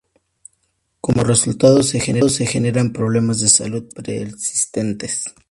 Como resultado se generan problemas de salud persistentes.